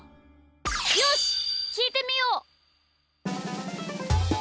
よしきいてみよう！